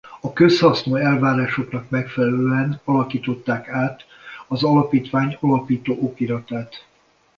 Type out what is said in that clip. A közhasznú elvárásoknak megfelelően alakították át az alapítvány alapító okiratát.